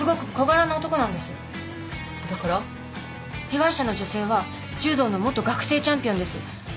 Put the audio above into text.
被害者の女性は柔道の元学生チャンピオンです。